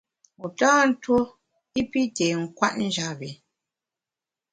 Wu tâ ntuo i pi tê nkwet njap bi.